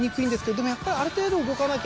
でもやっぱりある程度。